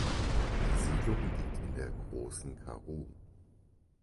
Die Siedlung liegt in der Großen Karoo.